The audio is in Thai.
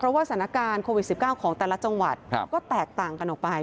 เพราะว่าสถานการณ์โควิด๑๙ของแต่ละจังหวัดก็แตกต่างกันออกไป